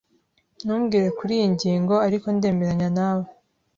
Ntumbwire kuriyi ngingo, ariko ndemeranya nawe.